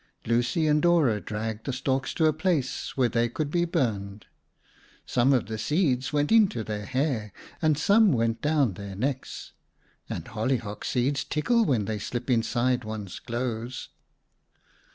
Lucy and Dora dragged the stalks to a place where they could be burned. Some of the seeds went into their hair and some went down their necks. And hollyhock seeds tickle when they slip inside one's clothes.